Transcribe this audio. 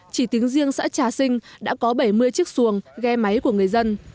chỉ tính riêng xã trà sinh đã có bảy mươi chiếc xuồng ghe máy của người dân